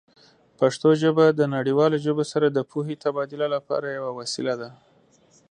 پښتو ژبه د نړیوالو ژبو سره د پوهې تبادله لپاره یوه وسیله ده.